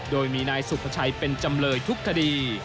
โดยมีนายสุภาชัยเป็นจำเลยทุกคดี